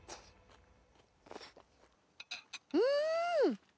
うん！